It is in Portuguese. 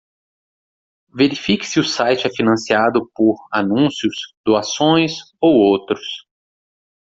Verifique se o site é financiado por anúncios, doações ou outros.